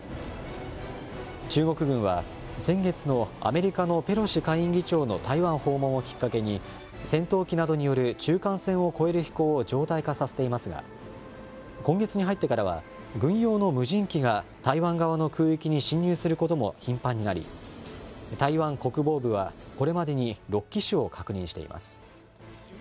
中国軍は、先月のアメリカのペロシ下院議長の台湾訪問をきっかけに、戦闘機などによる中間線を越える飛行を常態化させていますが、今月に入ってからは軍用の無人機が台湾側の空域に進入することも頻繁になり、台湾国防部は、これまでに６機種を確認しています。